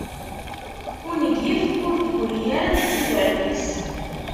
Ungif ur d-gri ara deg tudert-is.